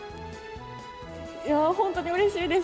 いやー、本当にうれしいです。